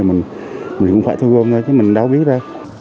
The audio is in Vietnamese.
mình cũng phải thu gom ra chứ mình đâu biết ra